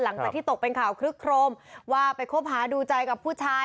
หลังจากที่ตกเป็นข่าวคลึกโครมว่าไปคบหาดูใจกับผู้ชาย